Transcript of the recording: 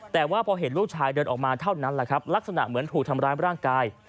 แต่ว่าพอเห็นลูกชายเดินออกมาเท่านั้นแหละครับลักษณะเหมือนถูกทำร้ายร่างกาย